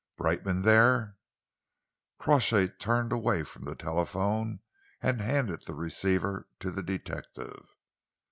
"Brightman there?" Crawshay turned away from the telephone and handed the receiver to the detective.